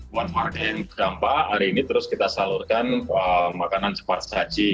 buat warga yang terdampak hari ini terus kita salurkan makanan cepat saji